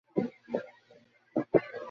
আমার এসরাজটা নিয়ে আয়, একটু বাজা।